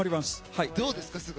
どうですか？